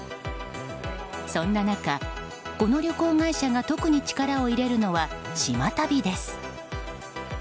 そんな中、この旅行会社が特に力を入れるのは島旅です。